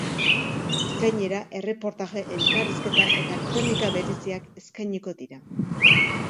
Gainera, erreportaje, elkarrizketa eta kronika bereziak eskainiko dira.